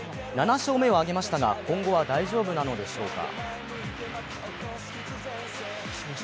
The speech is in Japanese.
７勝目を挙げましたが、今後は大丈夫なのでしょうか。